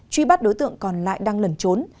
truy bắt đối tượng còn lại đang lẩn trốn